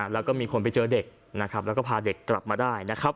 แล้วก็มีคนไปเจอเด็กพาเด็กกลับมาได้